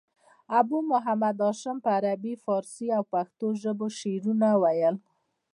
ابو محمد هاشم په عربي، پاړسي او پښتو ژبه شعرونه ویل.